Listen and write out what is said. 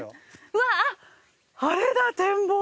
うわあれだ展望台。